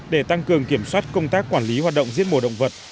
để tăng cường kiểm soát công tác quản lý hoạt động giết mổ động vật